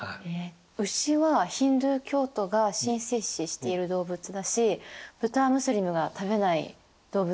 ウシはヒンドゥー教徒が神聖視している動物だしブタはムスリムが食べない動物じゃないですか。